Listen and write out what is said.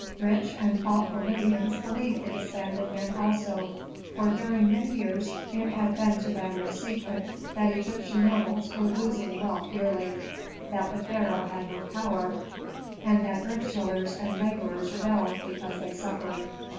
Rich and thoughtful Libyans believed the disbanded men also; for during many years it had been to them no secret that Egyptian nobles were losing wealth yearly, that the pharaoh had no power, and that earth tillers and laborers rebelled because they suffered.